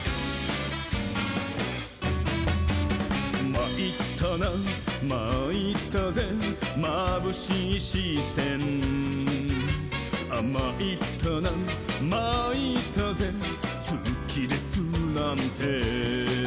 「まいったなまいったぜまぶしいしせん」「まいったなまいったぜすきですなんて」